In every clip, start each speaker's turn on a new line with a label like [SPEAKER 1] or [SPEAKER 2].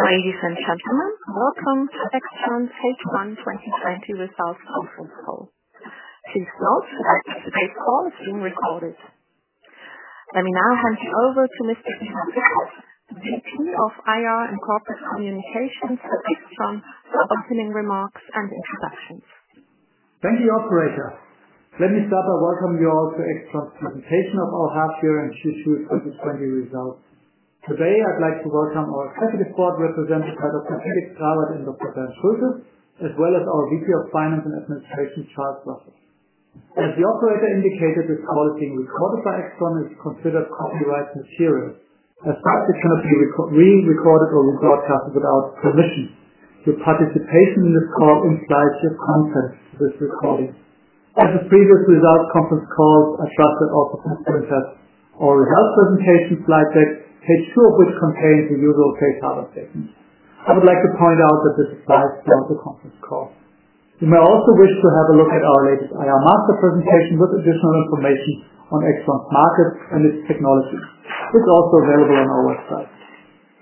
[SPEAKER 1] Ladies and gentlemen, welcome to AIXTRON's H1 2020 results conference call. Please note that today's call is being recorded. Let me now hand you over to Mr. Guido Pickert, Head of IR and Corporate Communications for AIXTRON, for opening remarks and introductions.
[SPEAKER 2] Thank you, operator. Let me start by welcoming you all to AIXTRON's presentation of our half year and Q2 2020 results. Today, I'd like to welcome our executive board, represented by Dr. Felix Grawert and Dr. Bernd Schulte, as well as our VP of Finance and Administration, Charles Russell. As the operator indicated, this call is being recorded by AIXTRON and is considered copyrighted material. As such, it cannot be re-recorded or broadcasted without permission. Your participation in this call implies your consent to this recording. As with previous results conference calls, I trust that all results presentation slide deck, page two of which contains the usual safe harbor statement. I would like to point out that this applies throughout the conference call. You may also wish to have a look at our latest IR master presentation with additional information on AIXTRON's markets and its technologies. It's also available on our website.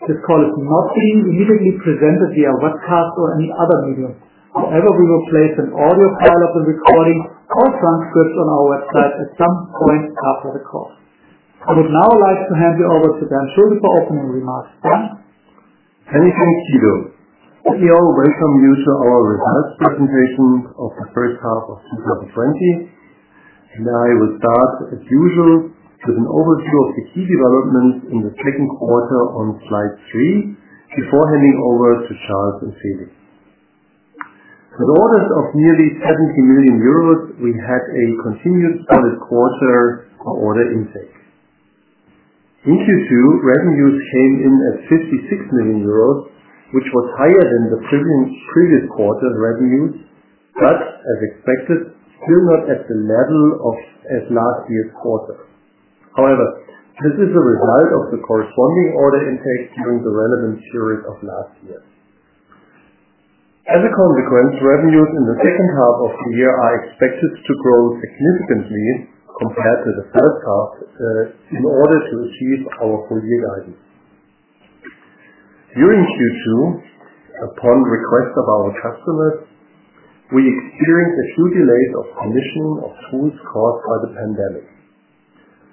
[SPEAKER 2] This call is not being immediately presented via webcast or any other medium. We will place an audio file of the recording or transcript on our website at some point after the call. I would now like to hand you over to Bernd Schulte for opening remarks. Bernd?
[SPEAKER 3] Many thanks, Guido. I also welcomes you to our results presentation of the first half of 2020. I will start, as usual, with an overview of the key developments in the second quarter on slide three, before handing over to Charles and Felix. With orders of nearly 70 million euros, we had a continued solid quarter for order intake. In Q2, revenues came in at 56 million euros, which was higher than the previous quarter's revenues, but as expected, still not at the level of last year's quarter. However, this is a result of the corresponding order intake during the relevant period of last year. As a consequence, revenues in the second half of the year are expected to grow significantly compared to the first half, in order to achieve our full-year guidance. During Q2, upon request of our customers, we experienced a few delays of commissioning of tools caused by the pandemic.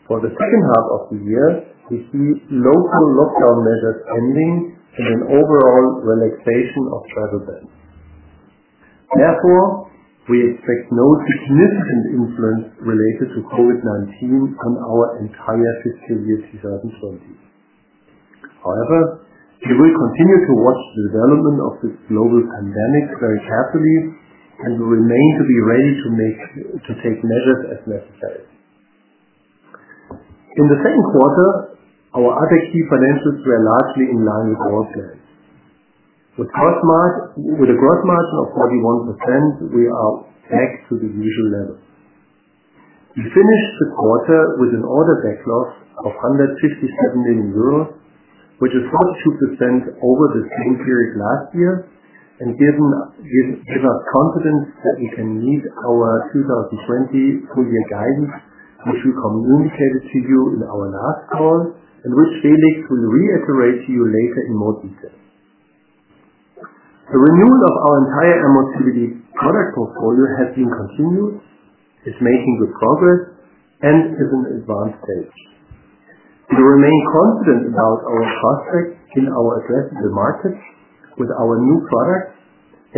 [SPEAKER 3] For the second half of the year, we see local lockdown measures ending and an overall relaxation of travel bans. We expect no significant influence related to COVID-19 on our entire fiscal year 2020. We will continue to watch the development of this global pandemic very carefully and will remain to be ready to take measures as necessary. In the second quarter, our other key financials were largely in line with our plans. With a gross margin of 41%, we are back to the usual level. We finished the quarter with an order backlog of 167 million euros, which is 42% over the same period last year and gives us confidence that we can meet our 2020 full-year guidance, which we communicated to you in our last call and which Felix will reiterate to you later in more detail. The renewal of our entire mobility product portfolio has been continued, is making good progress, and is in advanced stage. We remain confident about our prospects in our addressable markets with our new products,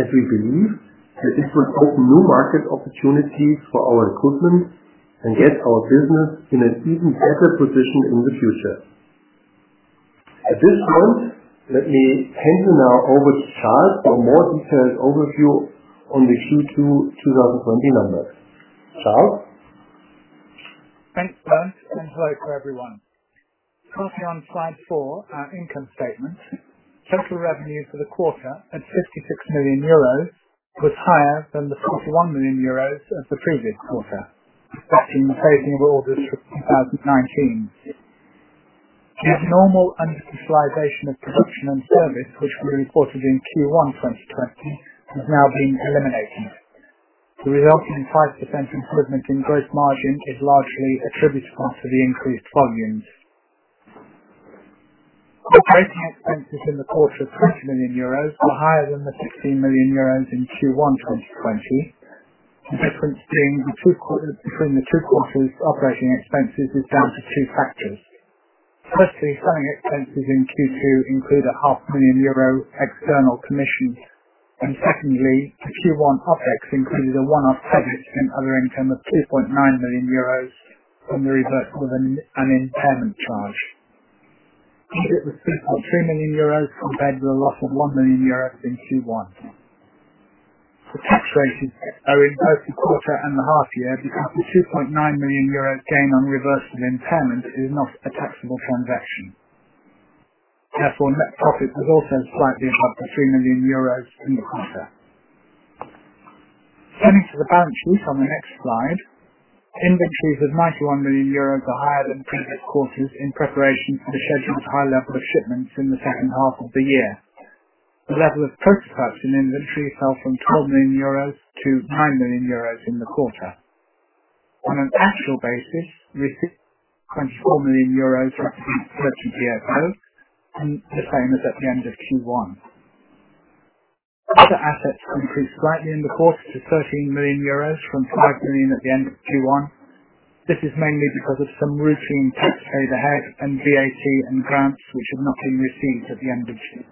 [SPEAKER 3] as we believe that this will open new market opportunities for our equipment and get our business in an even better position in the future. At this point, let me hand you now over to Charles for a more detailed overview on the Q2 2020 numbers. Charles?
[SPEAKER 4] Thanks, Bernd, and hello to everyone. Continuing on slide four, our income statement. Total revenue for the quarter at 56 million euros was higher than the 41 million euros of the previous quarter, reflecting the phasing of orders from 2019. The abnormal underutilization of production and service, which we reported in Q1 2020, has now been eliminated. The resulting 5% improvement in gross margin is largely attributable to the increased volumes. Operating expenses in the quarter of 20 million euros were higher than the 16 million euros in Q1 2020. The difference between the two quarters' operating expenses is down to two factors. Firstly, selling expenses in Q2 include an 500,000 euro external commission. Secondly, the Q1 OpEx included a one-off credit in other income of 2.9 million euros from the reversal of an impairment charge. Profit was EUR 3.3 million compared to a loss of 1 million euros in Q1. The tax rates are very low in both the quarter and the half year, because the 2.9 million euros gain on reversal of impairment is not a taxable transaction. Net profit was also slightly up to 3 million euros in the quarter. Turning to the balance sheet on the next slide. Inventories of 91 million euros are higher than previous quarters in preparation for the scheduled high level of shipments in the second half of the year. The level of prototypes in inventory fell from 12 million euros to 9 million euros in the quarter. On an actual basis, receivables were 24 million euros, representing 30 DSO, and the same as at the end of Q1. Other assets increased slightly in the quarter to 13 million euros from 5 million at the end of Q1. This is mainly because of some routine pay ahead and VAT and grants which have not been received at the end of June.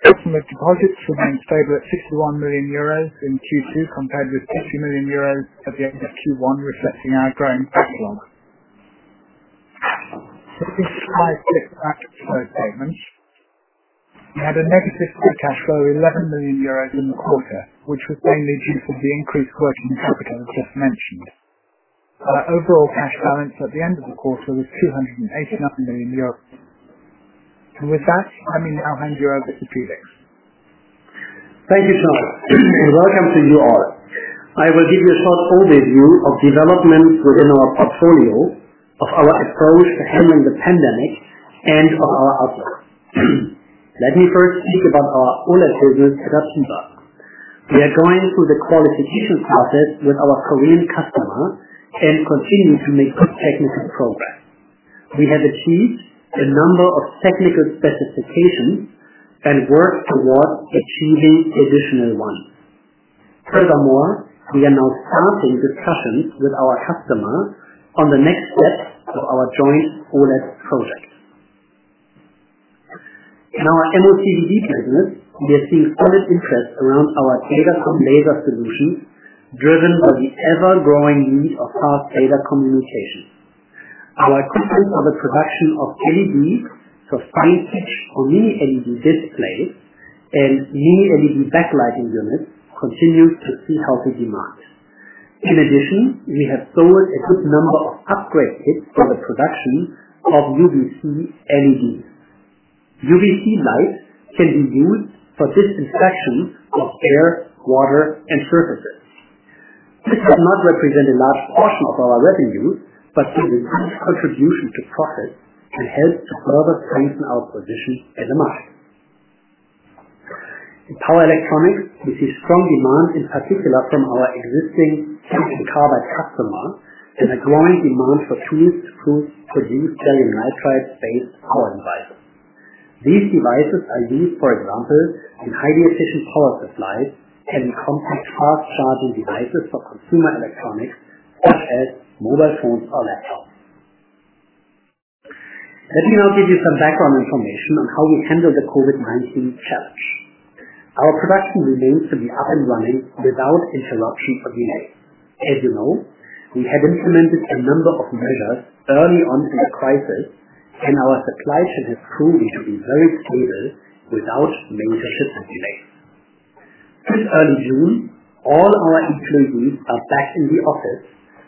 [SPEAKER 4] Customer deposits remained stable at 61 million euros in Q2, compared with 30 million euros at the end of Q1, reflecting our growing backlog. This slide shows cash flow statements. We had a negative free cash flow of 11 million euros in the quarter, which was mainly due to the increased working capital just mentioned. Our overall cash balance at the end of the quarter was 289 million euros. With that, I mean, I'll hand you over to Felix.
[SPEAKER 5] Thank you, Charles. Welcome to you all. I will give you a short overview of developments within our portfolio, of our approach to handling the pandemic, and of our outlook. Let me first speak about our OLED business at APEVA. We are going through the qualification process with our Korean customer and continue to make good technical progress. We have achieved a number of technical specifications and work towards achieving additional ones. Furthermore, we are now starting discussions with our customer on the next steps of our joint OLED project. In our MOCVD business, we are seeing solid interest around our datacom-laser solutions, driven by the ever-growing need of fast data communication. Our equipment for the production of LEDs for fine-pitch or mini LED displays and mini LED backlighting units continues to see healthy demand. In addition, we have sold a good number of upgrade kits for the production of UVC LEDs. UVC light can be used for disinfection of air, water, and surfaces. This does not represent a large portion of our revenue, but the reduced contribution to profit can help to further strengthen our position in the market. In power electronics, we see strong demand, in particular from our existing silicon carbide customers and a growing demand for tools to produce gallium nitride-based power devices. These devices are used, for example, in highly efficient power supplies and compact fast charging devices for consumer electronics such as mobile phones or laptops. Let me now give you some background information on how we handled the COVID-19 challenge. Our production remains to be up and running without interruption or delays. As you know, we have implemented a number of measures early on in the crisis, and our supply chain has proved to be very stable without many shifts and delays. Since early June, all our employees are back in the office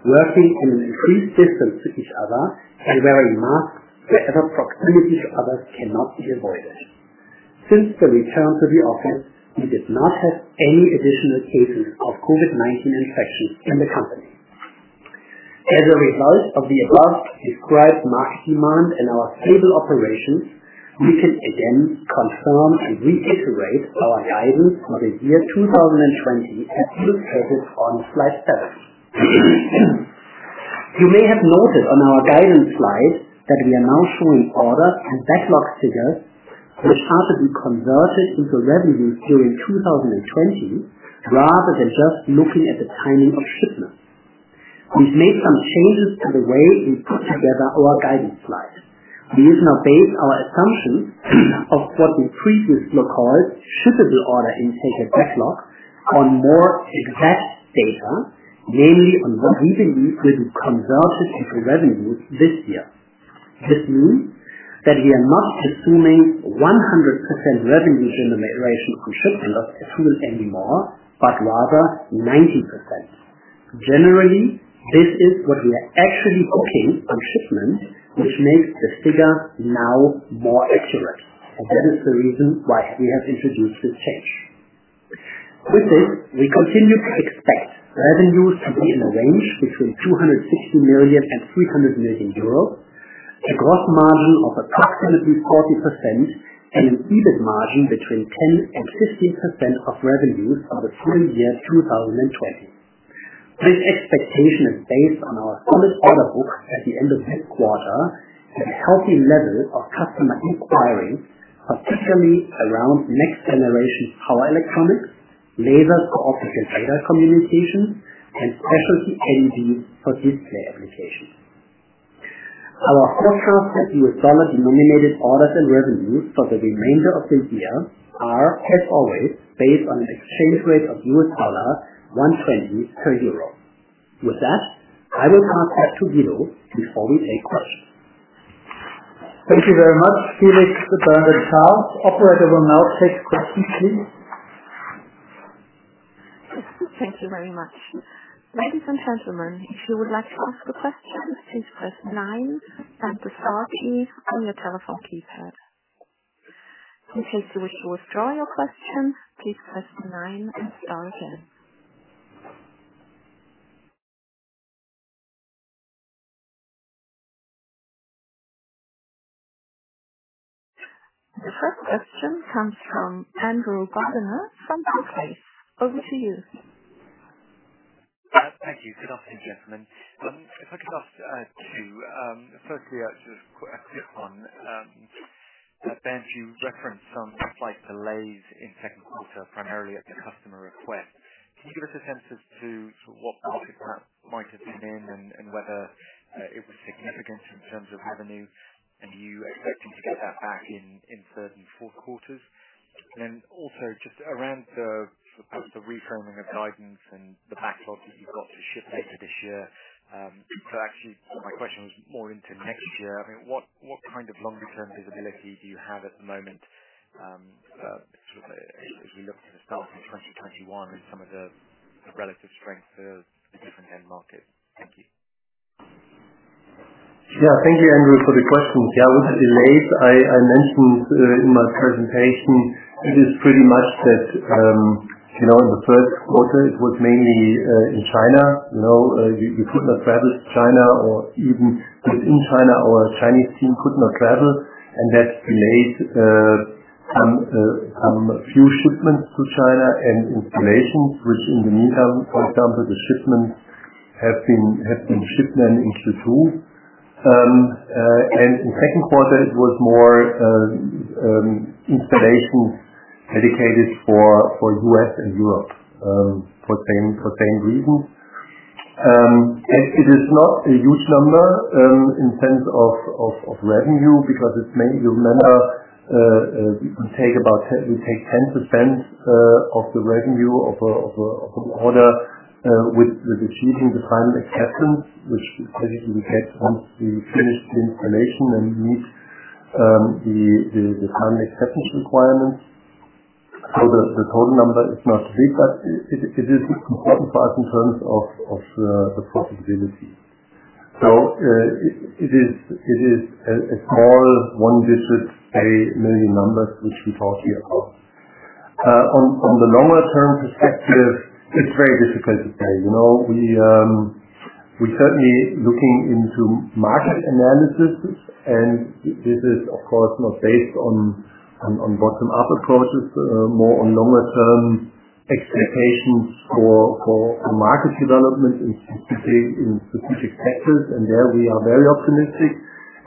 [SPEAKER 5] working in increased distance with each other and wearing masks wherever proximity to others cannot be avoided. Since the return to the office, we did not have any additional cases of COVID-19 infection in the company. As a result of the above-described market demand and our stable operations, we can again confirm and reiterate our guidance for the year 2020 as illustrated on slide seven. You may have noted on our guidance slide that we are now showing orders and backlog figures, which are to be converted into revenues during 2020 rather than just looking at the timing of shipments. We've made some changes to the way we put together our guidance slide. We now base our assumption of what we previously called shippable order intake and backlog on more exact data, mainly on what we believe will be converted into revenues this year. This means that we are not assuming 100% revenue generation from shipments anymore, but rather 90%. Generally, this is what we are actually booking on shipment, which makes the figure now more accurate. That is the reason why we have introduced this change. With this, we continue to expect revenues to be in the range between 260 million and 300 million euros. A gross margin of approximately 40% and an EBIT margin between 10% and 15% of revenues for the full year 2020. This expectation is based on our solid order book at the end of this quarter and healthy levels of customer inquiries, particularly around next-generation power electronics, laser for optical data communication, and specialty LEDs for display applications. Our forecast for US dollar-denominated orders and revenues for the remainder of this year are, as always, based on an exchange rate of $1.20/EUR. With that, I will now pass to Guido before we take questions.
[SPEAKER 2] Thank you very much, Felix, Bernd and Charles. Operator will now take questions, please.
[SPEAKER 1] Thank you very much. Ladies and gentlemen, if you would like to ask a question, please press nine and the star key on your telephone keypad. In case you wish to withdraw your question, please press nine and star again. The first question comes from Andrew Gardiner from Barclays. Over to you.
[SPEAKER 6] Thank you. Good afternoon, gentlemen. If I could ask two. Firstly, a quick one. Bernd, you referenced some slight delays in second quarter, primarily at the customer's request. Can you give us a sense as to what that might have been in, and whether it was significant in terms of revenue, and you expecting to get that back in third and fourth quarters? Also, just around the reframing of guidance and the backlog that you've got to ship later this year. Actually, my question was more into next year. What kind of longer term visibility do you have at the moment as you look to the start of 2021 and some of the relative strengths of the different end markets? Thank you.
[SPEAKER 3] Thank you, Andrew, for the questions. With the delays, I mentioned in my presentation, it is pretty much that the first quarter it was mainly in China. We could not travel to China or even within China; our Chinese team could not travel, that delayed some few shipments to China and installations, which, in the meantime, for example, the shipments have been shipped into two. In second quarter, it was more installations dedicated for U.S. and Europe for same reasons. It is not a huge number in terms of revenue because it is mainly, you remember, we take 10% of the revenue of the order with achieving the final acceptance, which basically we get once we finish the installation and meet the time acceptance requirements. The total number is not big, but it is important for us in terms of the profitability. It is a small one-digit, a million numbers, which we're talking about. From the longer-term perspective, it's very difficult to say. We certainly looking into market analysis, and this is of course not based on bottom up approaches, more on longer term expectations for market development in specific sectors. There we are very optimistic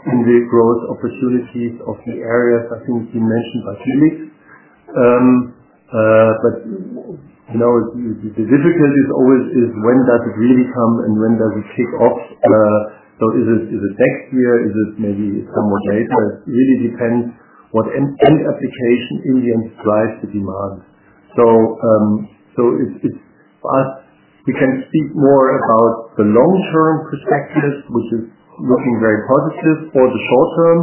[SPEAKER 3] in the growth opportunities of the areas I think as mentioned by Felix. The difficulty always is when does it really come and when does it kick off? Is it next year? Is it maybe some more data? It really depends what end application in the end drives the demand. It's us. We can speak more about the long-term perspective, which is looking very positive. For the short term,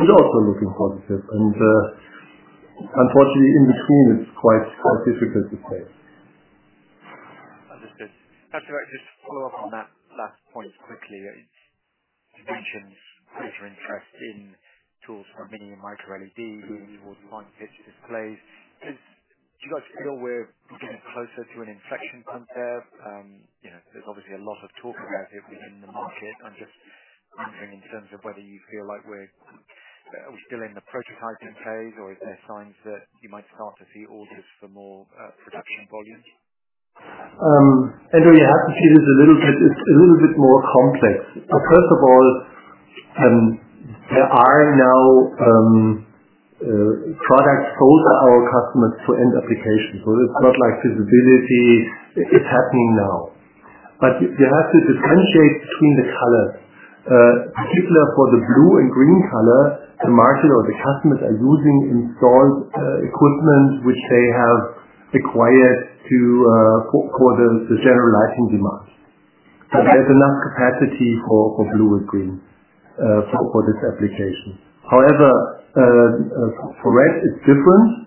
[SPEAKER 3] it's also looking positive. Unfortunately, in between, it's quite difficult to say.
[SPEAKER 6] Understood. Actually, just to follow up on that last point quickly. You mentioned future interest in tools for mini and micro LED, fine-pitch displays. Do you guys feel we're getting closer to an inflection point there? There's obviously a lot of talk about it within the market. I'm just wondering in terms of whether you feel like are we still in the prototyping phase, or are there signs that you might start to see orders for more production volumes?
[SPEAKER 3] Andrew, you have to see this, it's a little bit more complex. First of all, there are now products sold to our customers for end-use applications. It's not like visibility. It's happening now. You have to differentiate between the colors. Particular for the blue and green color, the market or the customers are using installed equipment which they have acquired for the general lighting demand. There's enough capacity for blue and green for this application. However, for red it's different.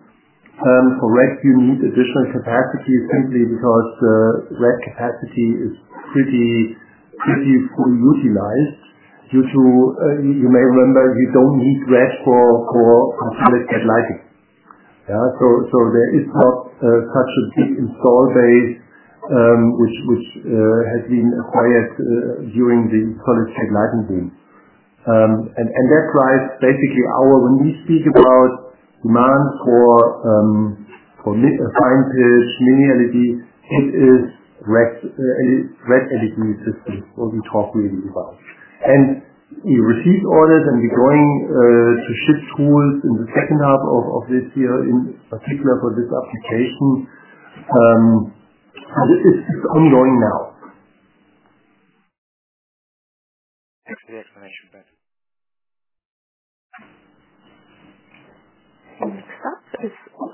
[SPEAKER 3] For red, you need additional capacity simply because the red capacity is pretty fully utilized, due to, you may remember, you don't need red for solid state lighting. There is not such a big install base which has been acquired during the solid state lighting boom. That drives basically when we speak about demand for fine-pitch, mini LED, it is red LED systems, what we talk really about. We receive orders, and we're going to ship tools in the second half of this year, in particular for this application. This is ongoing now.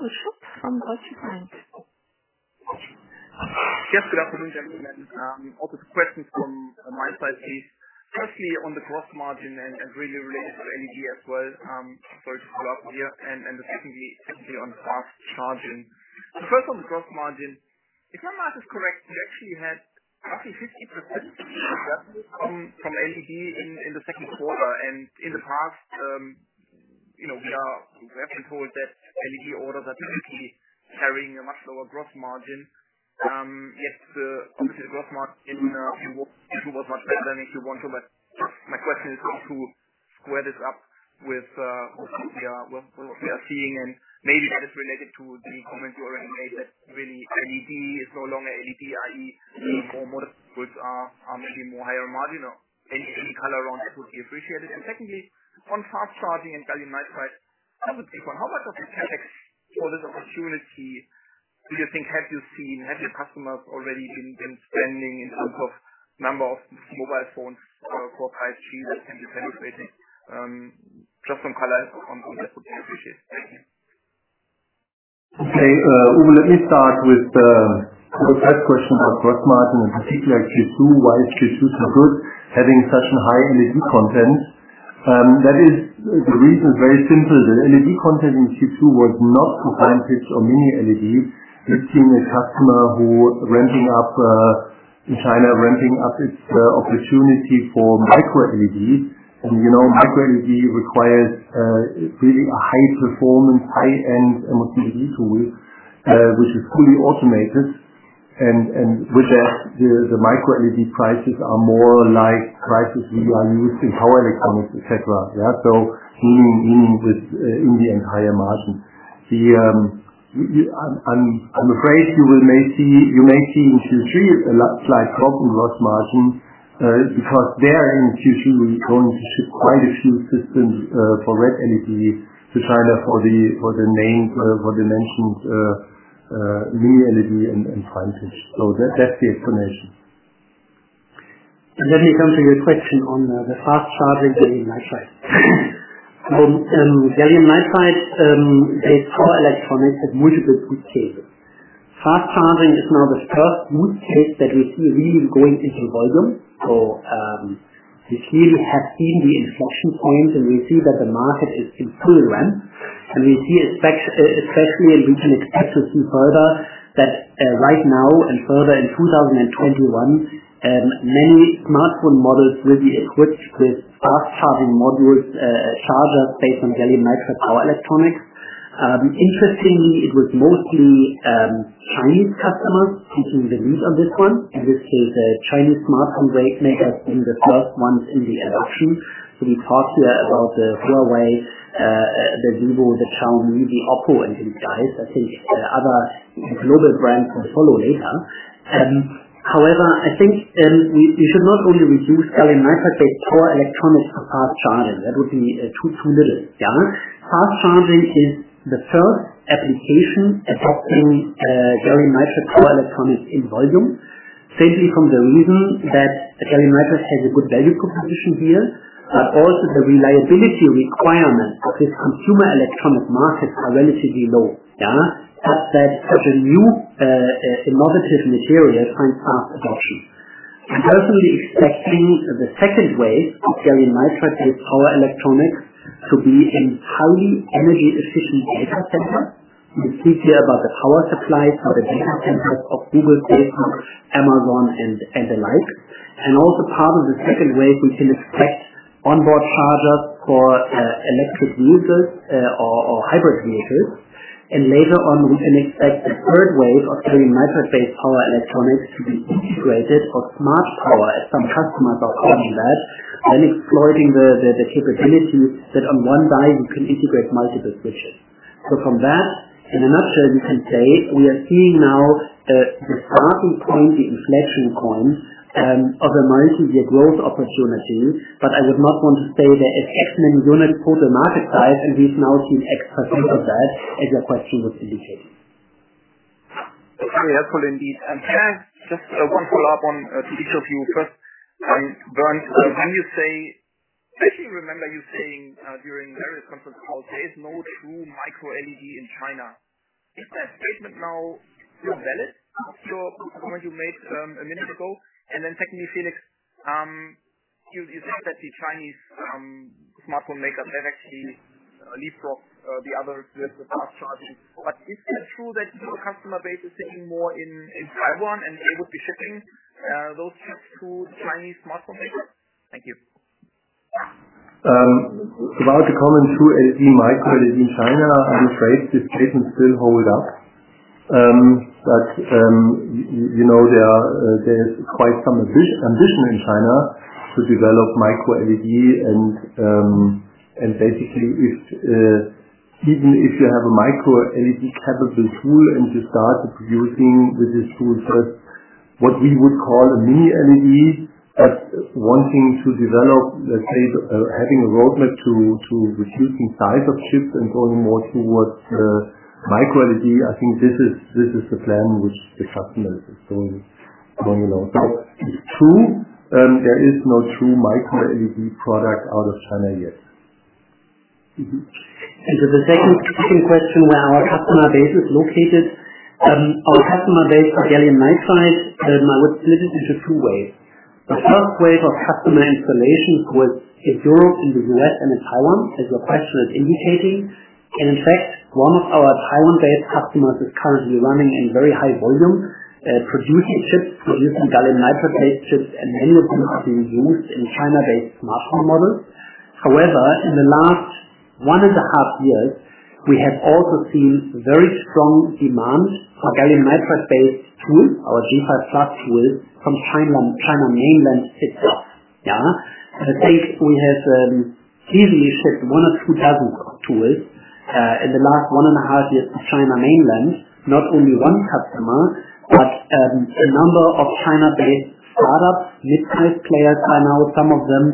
[SPEAKER 6] Thanks for the explanation, Bernd.
[SPEAKER 1] Next up is Uwe Schupp from Deutsche Bank.
[SPEAKER 7] Yes, good afternoon, gentlemen. Two questions from my side, please. Firstly, on the gross margin and really related to LED as well, just to follow up here, and then secondly on fast charging. First on the gross margin, if my math is correct, you actually had roughly 50% drop from LED in the second quarter. In the past, we have been told that LED orders are typically carrying a much lower gross margin. Yes, gross margin in Q2 was much better than Q1. My question is how to square this up with what we are seeing, and maybe that is related to the comment you already made, that really LED is no longer LED, i.e., more modern goods are maybe more higher margin. Any color around that would be appreciated. Secondly, on fast-charging and gallium nitride, other people, how much of the CapEx for this opportunity do you think have you seen? Have your customers already been spending in terms of number of mobile phones for 5G that can be penetrated? Just some color on that would be appreciated. Thank you.
[SPEAKER 3] Uwe, let me start with the first question about gross margin, in particular Q2. Why is Q2 so good, having such a high LED content? The reason is very simple. The LED content in Q2 was not from fine-pitch or mini LED. We're seeing a customer who, in China, ramping up its opportunity for micro LED, and micro LED requires really a high-performance, high-end MOCVD tool, which is fully automated. With that, the micro LED prices are more like prices we are used in power electronics, et cetera, are leaning towards higher margin. I'm afraid you may see in Q3 a slight drop in gross margin, because there in Q3, we're going to ship quite a few systems for red LED to China for the mentioned mini LED and signage. That's the explanation.
[SPEAKER 5] Let me come to your question on the fast-charging gallium nitride. Gallium nitride-based power electronics have multiple use cases. Fast charging is now the first use case that we see really going into volume. This year we have seen the inflection point, and we see that the market is in full ramp. We see especially, and we can expect to see further, that right now and further in 2021, many smartphone models will be equipped with fast charging modules, chargers based on gallium nitride power electronics. Interestingly, it was mostly Chinese customers taking the lead on this one. In this case, the Chinese smartphone makers being the first ones in the adoption. We talk here about the Huawei, the vivo, the Xiaomi, the OPPO, and these guys. I think other global brands will follow later. I think we should not only reduce gallium nitride-based power electronics for fast charging. That would be too little. Fast charging is the first application adopting gallium nitride power electronics in volume, simply from the reason that gallium nitride has a good value proposition here. Also the reliability requirements of this consumer electronics market are relatively low. That such a new innovative material finds fast adoption. I'm personally expecting the second wave of gallium nitride-based power electronics to be in highly energy efficient data centers. We speak here about the power supply for the data centers of Google, Amazon, and the like. Also part of the second wave, we can expect onboard chargers for electric vehicles or hybrid vehicles. Later on, we can expect a third wave of gallium nitride-based power electronics to be integrated for smart power, as some customers are calling that, and exploiting the capabilities that on one gallium nitride we can integrate multiple switches. From that, in a nutshell, we can say we are seeing now the starting point, the inflection point of a multi-year growth opportunity. I would not want to say there is X many units total market size, and we've now seen X-percent of that, as your question was indicating.
[SPEAKER 7] Very helpful indeed. Can I just want to follow up on each of you first. Bernd, I actually remember you saying during various conference calls, there is no true micro LED in China. Is that statement now still valid, your comment you made a minute ago? Then secondly, Felix, you said the Chinese smartphone makers have actually leapfrogged the others with the fast charging. Is it true that your customer base is sitting more in Taiwan, and they would be shipping those chips to Chinese smartphone makers? Thank you.
[SPEAKER 3] About the comment to micro LED in China, I'm afraid this statement still holds up. There is quite some ambition in China to develop micro LED, and basically, even if you have a micro LED capable tool and you start producing with this tool first what we would call a mini LED, but wanting to develop, let's say, having a roadmap to reducing size of chips and going more towards micro LED, I think this is the plan which the customer is pursuing along. It's true, there is no true micro LED product out of China yet.
[SPEAKER 5] To the second question, where our customer base is located. Our customer base for gallium nitride, I would split it into two waves. The first wave of customer installations was in Europe, in the U.S., and in Taiwan, as your question is indicating. In fact, one of our Taiwan-based customers is currently running in very high volume, producing chips, producing gallium nitride-based chips, and many of them are being used in China-based smartphone models. However, in the last 1.5 years, we have also seen very strong demand for gallium nitride-based tools, our G5+ tools from China Mainland itself. I think we have easily shipped one or two dozen of tools in the last 1.5 years to China Mainland, not only one customer, but a number of China-based startups, which are midsize players by now. Some of them,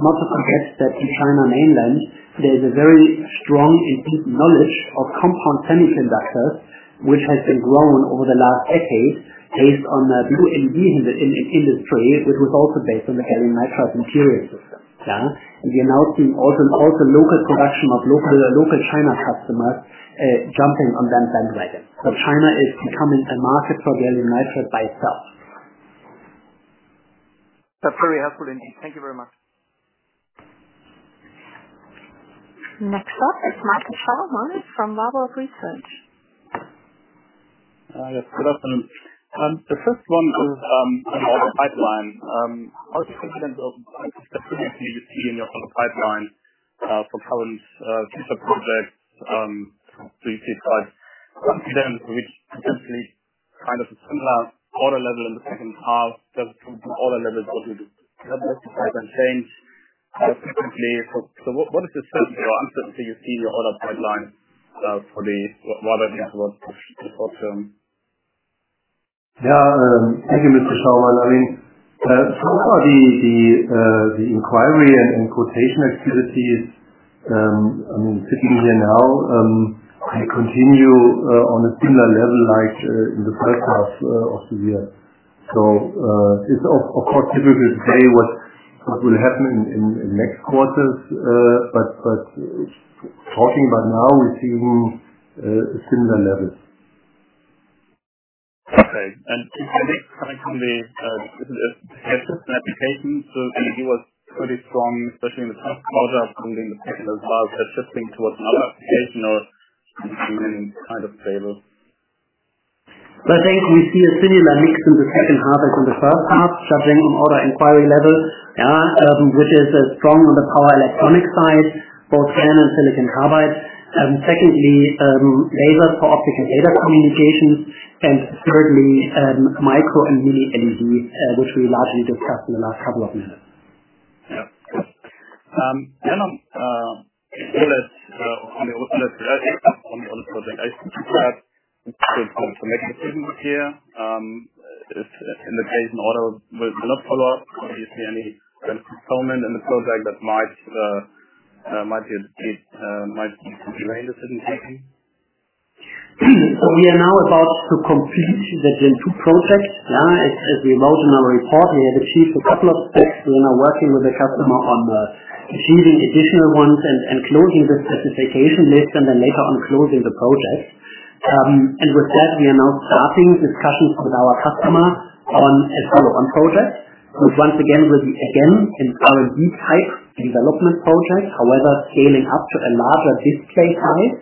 [SPEAKER 5] no question that in China Mainland, there's a very strong and deep knowledge of compound semiconductors, which has been grown over the last decade based on the blue LED industry, which was also based on the gallium nitride material system. Yeah. We are now seeing also local production of local China customers, jumping on that bandwagon. China is becoming a market for gallium nitride by itself.
[SPEAKER 7] That's very helpful indeed. Thank you very much.
[SPEAKER 1] Next up is Malte Schaumann from Warburg Research.
[SPEAKER 8] Yes, good afternoon. The first one is on your pipeline. How confident are you in sustainability in your current pipeline for current future projects, you feel quite confident? Kind of a similar order level in the second half. Does the order level or the pipeline change frequently? What is your sense of certainty or uncertainty you see in your order pipeline for the medium to short term?
[SPEAKER 3] Yeah. Thank you, Mr. Schaumann. So far, the inquiry and quotation activities, I mean, sitting here now, they continue on a similar level like in the first half of the year. It's of course difficult to say what will happen in next quarters. Talking about now, we're seeing similar levels.
[SPEAKER 8] Okay. The next part on the application. I think it was pretty strong, especially in the first quarter, probably in the second as well. Shifting towards other application or is that remaining stable?
[SPEAKER 5] I think we see a similar mix in the second half as in the first half, judging from order inquiry levels. Which is strong on the power electronic side, both GaN and silicon carbide. Secondly, lasers for optical data communication, and thirdly, micro and mini LED, which we largely discussed in the last couple of minutes.
[SPEAKER 8] Yeah. Good. On the OLED project, are you still prepared to a make a decision this year. In the case an order will not follow up, obviously, do you see any kind of postponement in the project that might lead to the delay in the sudden taking?
[SPEAKER 5] We are now about to complete the Gen 2 project. As we wrote in our report, we have achieved a couple of steps. We are now working with the customer on achieving additional ones, and closing the specification list, and then later on closing the project. With that, we are now starting discussions with our customer on a follow-on project, which once again will be, again, an R&D type development project, however, scaling up to a larger display size.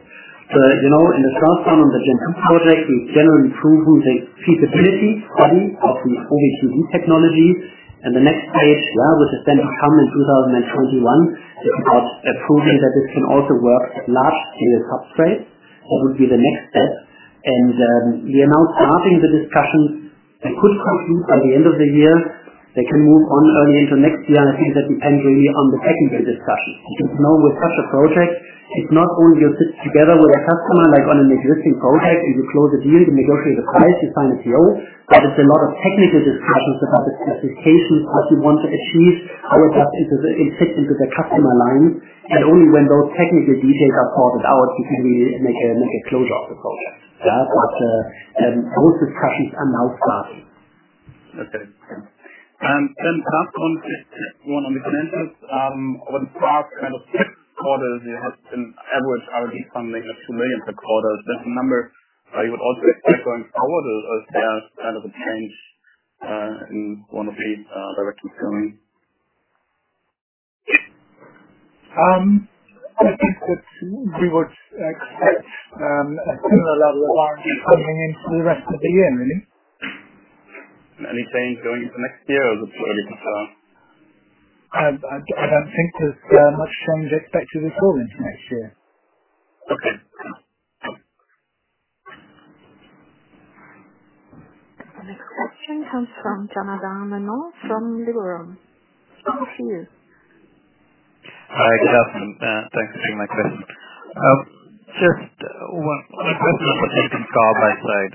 [SPEAKER 5] In the first one, on the Gen 2 project, we've generally proven the feasibility study of the OVPD technology, and the next page, which is then to come in 2021, is about proving that this can also work at large scale substrates. That will be the next step. We are now starting the discussions that could conclude by the end of the year. They can move on early into next year. I think that we can agree on the technical discussions. With such a project, it's not only you sit together with a customer, like on an existing project, and you close a deal, you negotiate a price, you sign a PO. It's a lot of technical discussions about the specifications that you want to achieve, how it fits into the customer line. Only when those technical details are sorted out, you can really make a closure of the project. Those discussions are now starting.
[SPEAKER 8] Okay. Last one is one on the finances. Over the past kind of six quarters, you have been average R&D funding of 2 million per quarter. That's a number that you would also expect going forward or is that kind of a change in one of the directions going?
[SPEAKER 4] I think that we would expect a similar level coming into the rest of the year, really.
[SPEAKER 8] Any change going into next year or is it a little early to tell?
[SPEAKER 4] I don't think there's much change expected with go into next year.
[SPEAKER 8] Okay.
[SPEAKER 1] The next question comes from Janardan Menon from Liberum. Over to you.
[SPEAKER 9] Hi, good afternoon. Thanks for taking my question. Just one question on the silicon carbide side.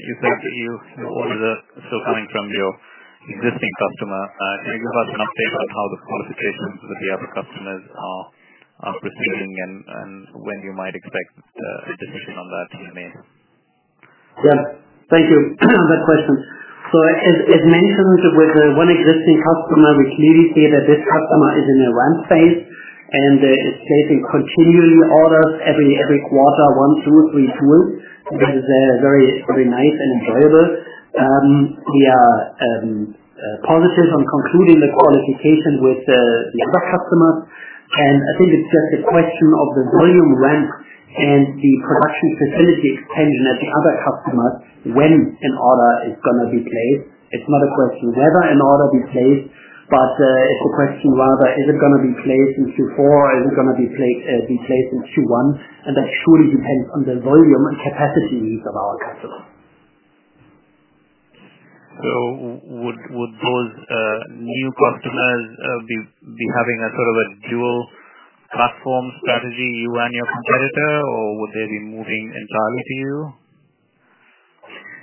[SPEAKER 9] You say that your orders are still coming from your existing customers. Can you give us an update on how the qualifications with the other customers are proceeding and when we might expect a decision on that to be made?
[SPEAKER 5] Thank you. Good question. As mentioned with the one existing customer, we clearly see that this customer is in the ramp phase and is placing continuing orders every quarter, one, two, three tools. That is very nice and enjoyable. We are positive on concluding the qualification with the other customers, and I think it's just a question of the volume ramp and the production facility expansion at the other customers when an order is going to be placed. It's not a question whether an order be placed. It's a question, rather, is it going to be placed in Q4? Is it going to be placed in Q1? That surely depends on the volume and capacity needs of our customers.
[SPEAKER 9] Would those new customers be having a sort of dual platform strategy, you and your competitor, or would they be moving entirely to you?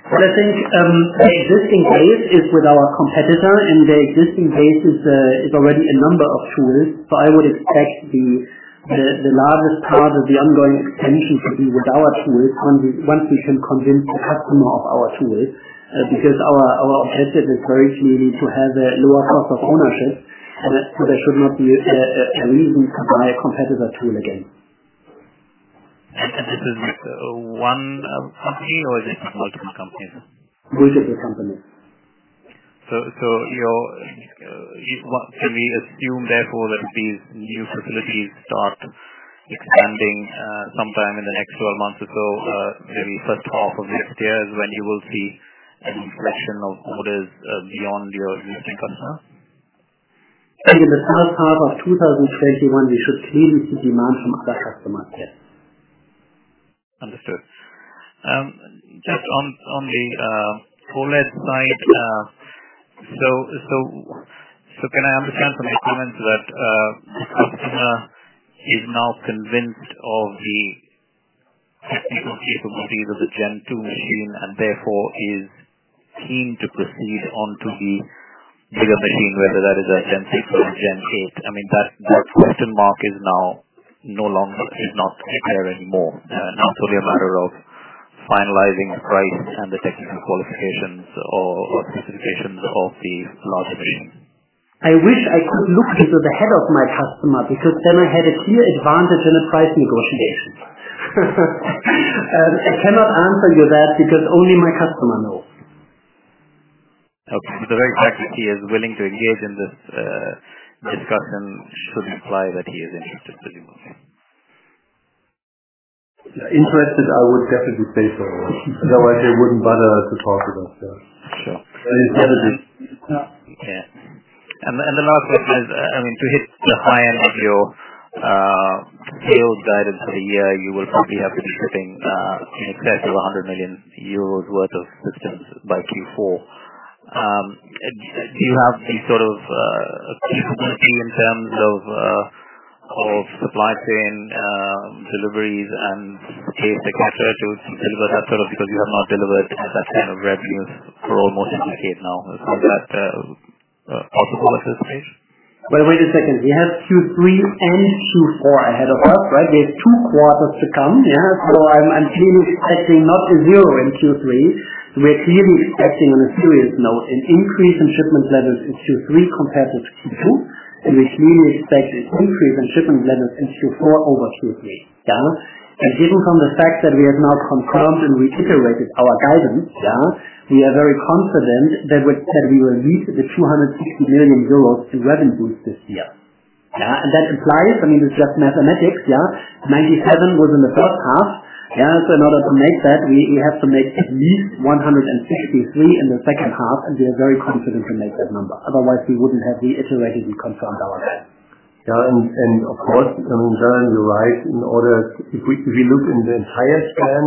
[SPEAKER 5] I think the existing base is with our competitor, and the existing base is already a number of tools. I would expect the largest part of the ongoing expansion to be with our tools, once we can convince the customer of our tools, because our objective is very clearly to have a lower cost of ownership, and there should not be a reason to buy a competitor tool again.
[SPEAKER 9] This is one company, or is it multiple companies?
[SPEAKER 5] Multiple companies.
[SPEAKER 9] Can we assume therefore that these new facilities start expanding sometime in the next 12 months or so, maybe first half of next year, is when you will see any reflection of orders beyond your existing customers?
[SPEAKER 5] I think in the first half of 2021, we should see the demand from other customers, yes.
[SPEAKER 9] Understood. Just on the OLED side, can I understand from your comments that the customer is now convinced of the technical capabilities of the Gen 2 machine and therefore is keen to proceed on to the bigger machine, whether that is a Gen 6 or a Gen 8? I mean, that question mark is not there anymore. Now it's only a matter of finalizing a price and the technical qualifications or specifications of the larger machine?
[SPEAKER 5] I wish I could look into the head of my customer, because then I had a clear advantage in the price negotiation. I cannot answer you that because only my customer knows.
[SPEAKER 9] Okay. The very fact that he is willing to engage in this discussion should imply that he is interested in moving.
[SPEAKER 3] Interested, I would definitely say so. Otherwise, they wouldn't bother to talk to us.
[SPEAKER 9] Sure.
[SPEAKER 3] It's never the case.
[SPEAKER 9] Yeah. The last question is, to hit the high end of your sales guidance for the year, you will probably have to be shipping in excess of 100 million euros worth of systems by Q4. Do you have any sort of capability in terms of supply chain deliveries and space et cetera due to deliver that sort of, because you have not delivered that kind of revenues for almost a decade now. Is that possible at this stage?
[SPEAKER 5] Well, wait a second. We have Q3 and Q4 ahead of us, right? There's two quarters to come. Yeah. I'm clearly pricing not a zero in Q3. We're clearly expecting, on a serious note, an increase in shipment levels in Q3 compared to Q2, and we clearly expect an increase in shipment levels in Q4 over Q3. Given from the fact that we have now confirmed and reiterated our guidance, we are very confident that we will meet the 260 million euros in revenues this year. That implies, I mean, it's just mathematics, yeah. 97 million was in the first half. In order to make that, we have to make at least 163 million in the second half, and we are very confident to make that number. Otherwise, we wouldn't have reiterated and confirmed our guidance.
[SPEAKER 3] Of course, Janardan, you're right. If we look in the entire span,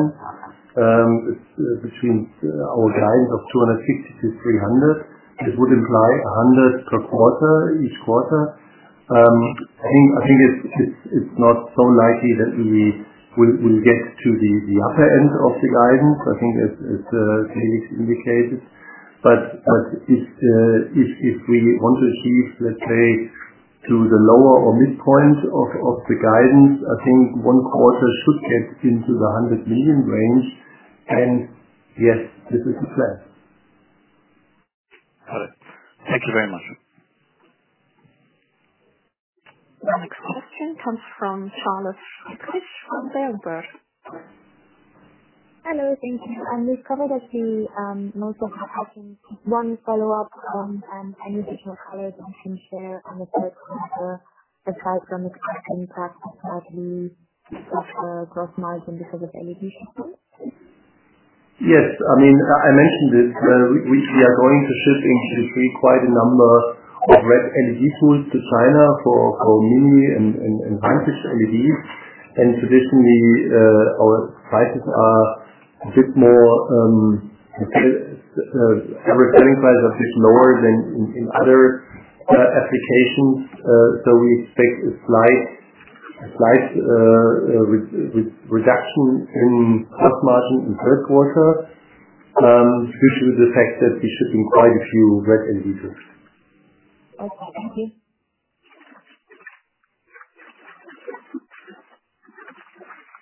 [SPEAKER 3] between our guidance of 260 million-300 million, it would imply 100 million per quarter, each quarter. I think it's not so likely that we will get to the upper end of the guidance, I think as Felix indicated. If we want to achieve, let's say, to the lower or midpoint of the guidance, I think one quarter should get into the 100 million range. Yes, this is the plan.
[SPEAKER 9] Got it. Thank you very much.
[SPEAKER 1] The next question comes from Charlotte Friedrichs from Berenberg.
[SPEAKER 10] Hello. Thank you. We've covered a few, most of our questions. One follow-up, and any additional color that you can share on the third quarter, aside from the tax impact, how it will affect the gross margin because of LED shipment?
[SPEAKER 3] Yes. I mentioned this. We are going to ship in Q3 quite a number of LED tools to China for mini and fine-pitch LEDs. Traditionally, our selling price are a bit lower than in other applications. We expect a slight reduction in gross margin in third quarter, due to the fact that we're shipping quite a few red LED tools.
[SPEAKER 10] Okay. Thank you.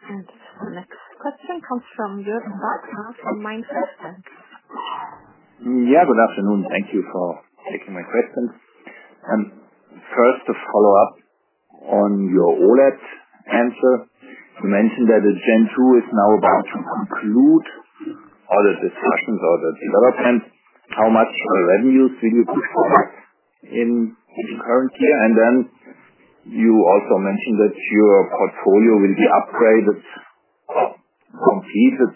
[SPEAKER 1] The next question comes from Jürgen Wagner from MainFirst Bank.
[SPEAKER 11] Yeah. Good afternoon. Thank you for taking my questions. First, a follow-up on your OLED answer. You mentioned that the Gen 2 is now about to conclude all the discussions or the development. How much revenues will you push forward in the current year? You also mentioned that your portfolio will be upgraded, completed.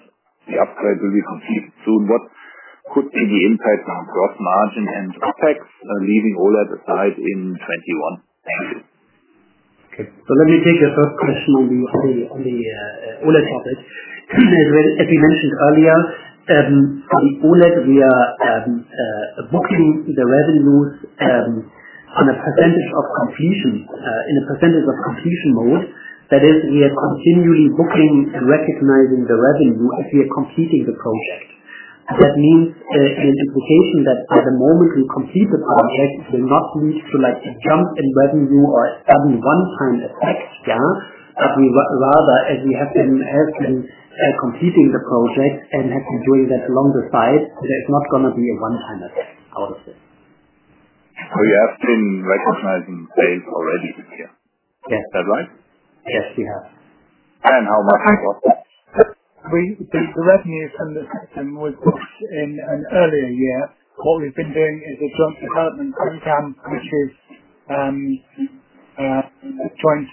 [SPEAKER 11] The upgrade will be completed soon. What could be the impact on gross margin and CapEx, leaving all that aside in 2021? Thank you.
[SPEAKER 5] Okay. Let me take your first question on the OLED topic. As we mentioned earlier, on the OLED, we are booking the revenues in a percentage of completion mode. That is, we are continually booking and recognizing the revenue as we are completing the project. That means an implication that by the moment we complete the project, there's not need to jump in revenue or sudden one-time effects out of it. Rather, as we have been completing the project and have been doing that along the side, there's not going to be a one-time effect out of this.
[SPEAKER 11] You have been recognizing sales already this year.
[SPEAKER 5] Yes.
[SPEAKER 11] Is that right?
[SPEAKER 5] Yes, we have.
[SPEAKER 11] How much of that?
[SPEAKER 4] The revenues from the system was booked in an earlier year. All we've been doing is a joint development program, which is joint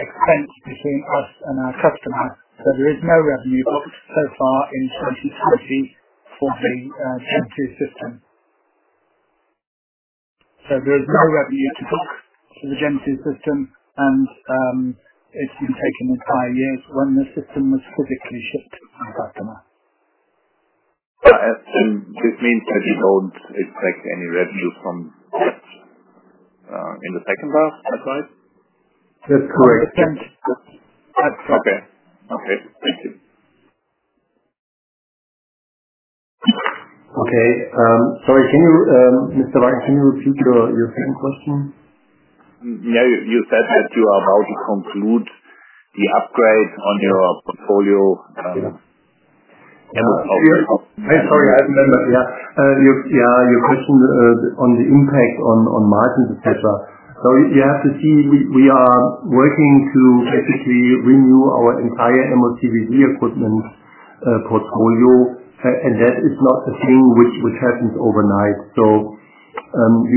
[SPEAKER 4] expense between us and our customer. There is no revenue booked so far in 2020 for the Gen 2 system. There is no revenue to book for the Gen 2 system, and it's been taken as prior years when the system was physically shipped to our customer.
[SPEAKER 11] This means that you don't expect any revenue from that in the second half. Is that right?
[SPEAKER 4] That's correct. Yes.
[SPEAKER 11] Okay. Thank you.
[SPEAKER 3] Okay. Sorry, Mr. Wagner, can you repeat your second question?
[SPEAKER 11] You said that you are about to conclude the upgrade on your portfolio.
[SPEAKER 3] Yeah. Sorry, I remember. Your question on the impact on margins, et cetera. You know that we are working to basically renew our entire MOCVD equipment portfolio, and that is not a thing which happens overnight.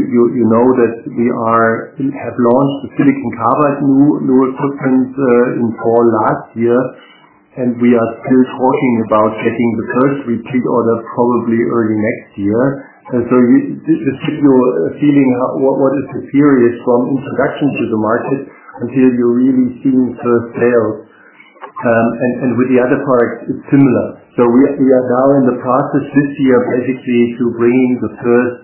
[SPEAKER 3] You know that we have launched the silicon carbide new equipment in fall last year, and we are still talking about getting the first repeat order probably early next year. This gives you a feeling what is the period from introduction to the market until you're really seeing first sales. With the other products, it's similar. We are now in the process this year, basically, to bring the first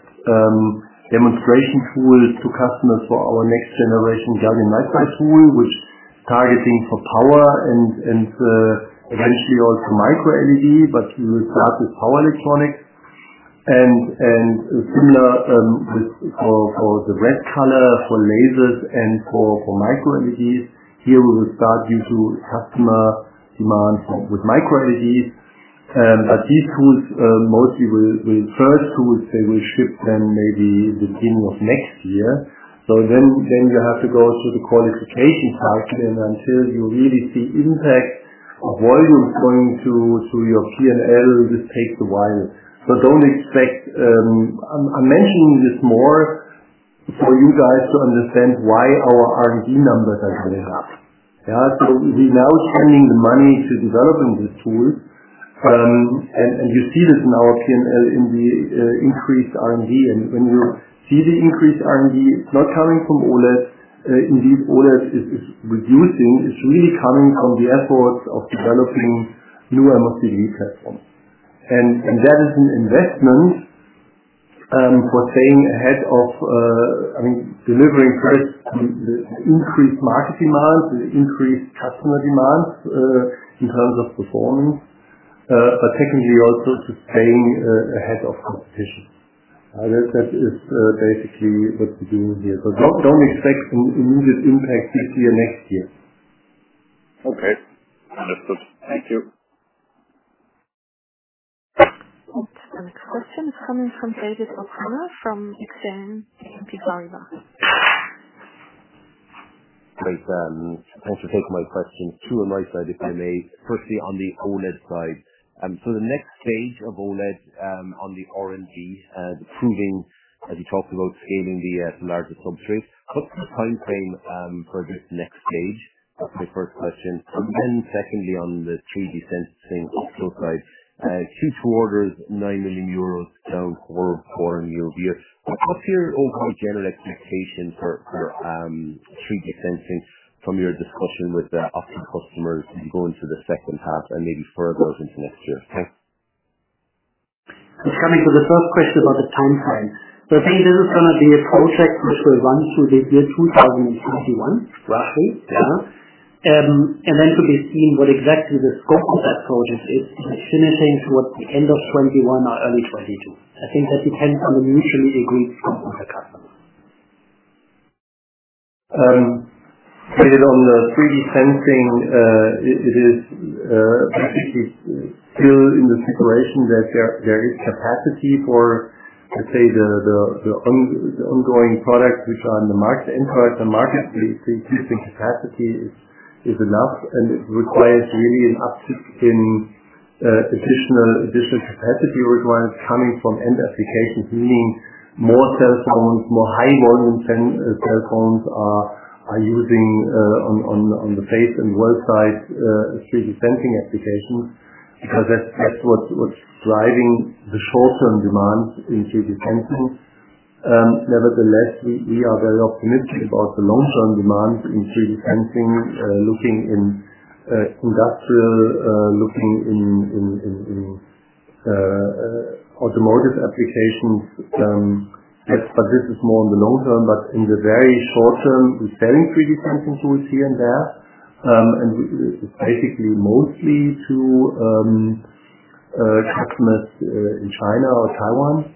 [SPEAKER 3] demonstration tools to customers for our next generation gallium nitride tool, which targeting for power and eventually blue/green micro LED, but we will start with power electronics and similar for the red color, for lasers, and for micro LEDs. Here, we will start due to customer demand with micro LED. These tools, mostly the first tools, they will ship them maybe the beginning of next year. Then you have to go through the qualification part. Until you really see impact of volumes going through your P&L, this takes a while. I'm mentioning this more for you guys to understand why our R&D numbers are going up. We're now spending the money to developing these tools, and you see this in our P&L in the increased R&D. When you see the increased R&D, it's not coming from OLED. Indeed, OLED is reducing. It's really coming from the efforts of developing new MOCVD platforms. That is an investment for staying ahead of delivering increased market demand, increased customer demand in terms of performance, but secondly, also to staying ahead of competition. That is basically what we're doing here. Don't expect immediate impact this year, next year.
[SPEAKER 11] Okay. Understood. Thank you.
[SPEAKER 1] The next question is coming from David O'Connor from Exane BNP Paribas.
[SPEAKER 12] Great. Thanks for taking my questions, two on my side, if I may. Firstly, on the OLED side. The next stage of OLED on the R&D, the proving, as you talked about scaling the larger substrate. What's the timeframe for this next stage? That's my first question. Secondly, on the 3D sensing Opto side. Q2 orders, 9 million euros down quarter-over-quarter, year-over-year. What's your overall general expectation for 3D sensing from your discussion with Opto customers going to the second half and maybe further into next year? Thanks.
[SPEAKER 5] Coming to the first question about the timeframe. I think this is going to be a project which will run through the year 2021, roughly. Yeah. To be seen what exactly the scope of that project is in a similar thing towards the end of 2021 or early 2022. I think that depends on the mutually agreed scope with the customer.
[SPEAKER 3] David, on the 3D sensing, it is basically still in the situation that there is capacity for, let's say the ongoing products which are on the market. The increase in capacity is enough, and it requires really an uptick in additional capacity requirements coming from end applications, meaning more cell phones, more high volume cell phones are using on the face and world-side 3D sensing applications, because that's what's driving the short-term demand in 3D sensing. Nevertheless, we are very optimistic about the long-term demand in 3D sensing, looking in industrial, looking in automotive applications. This is more in the long term, but in the very short term, we're selling 3D sensing tools here and there, and basically mostly to customers in China or Taiwan.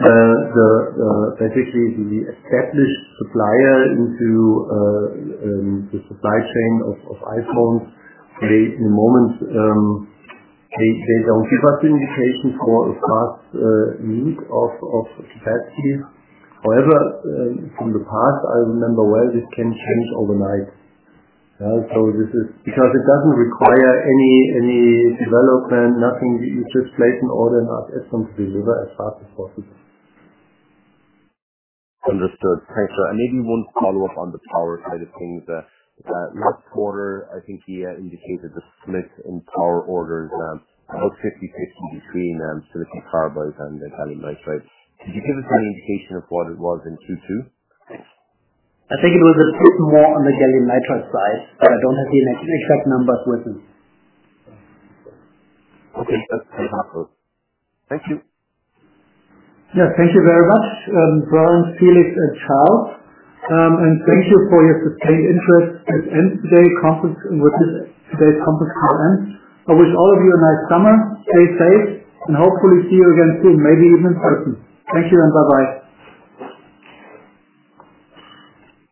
[SPEAKER 3] Basically, we established supplier into the supply chain of iPhones. In the moment, there are no capacity indications for a fast need of capacity. However, from the past, I remember well, this can change overnight. It doesn't require any development, nothing. You just place an order, and ask us to deliver as fast as possible.
[SPEAKER 12] Understood. Thanks. Maybe one follow-up on the power side of things. Last quarter, I think you indicated the split in power orders, about 50/50 between silicon carbide and gallium nitride. Could you give us any indication of what it was in Q2? Thanks.
[SPEAKER 5] I think it was a bit more on the gallium nitride side, but I don't have the exact numbers with me.
[SPEAKER 12] Okay. That's helpful. Thank you.
[SPEAKER 2] Thank you very much, Bernd, Felix, and Charles. Thank you for your sustained interest. With this, today's conference call ends. I wish all of you a nice summer. Stay safe, and hopefully see you again soon, maybe even in person. Thank you and bye-bye.